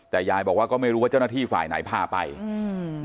แต่ยายบอกว่าก็ไม่รู้ว่าเจ้าหน้าที่ฝ่ายไหนพาไปอืม